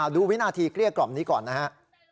ดูวินาทีเกลี้ยกล่อมนี้ก่อนนะฮะ